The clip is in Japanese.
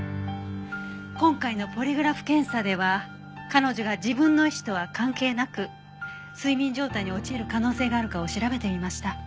今回のポリグラフ検査では彼女が自分の意思とは関係なく睡眠状態に陥る可能性があるかを調べてみました。